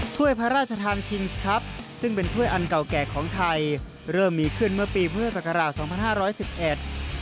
ถ้วยพระราชทานคิงส์ครับซึ่งเป็นถ้วยอันเก่าแก่ของไทยเริ่มมีขึ้นเมื่อปีพฤศกราช๒๕๑๑